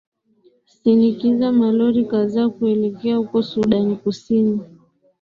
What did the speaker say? sinikiza malori kadhaa kuelekea huko sudan kusini